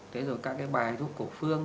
thế rồi các cái bài thuốc cổ phương